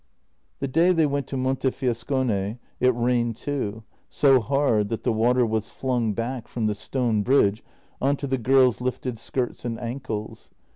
The day they went to Montefiascone it rained too, so hard that the water was flung back from the stone bridge on to the girls' lifted skirts and ankles.